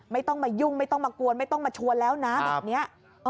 ไม่ต้องมายุ่งไม่ต้องมากวนไม่ต้องมาชวนแล้วนะแบบนี้